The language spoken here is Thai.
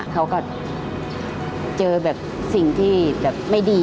เขาก็เจอแบบสิ่งที่แบบไม่ดี